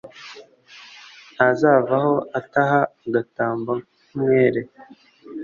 ntazavaho ataha agatamba nk’umwere?